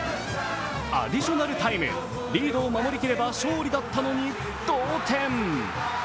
アディショナルタイム、リードを守り切れば勝利だったのに同点。